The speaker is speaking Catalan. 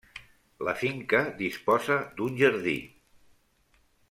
La finca disposa d'un jardí.